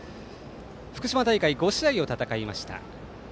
福島大会５試合を戦いました。